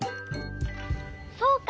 そうか！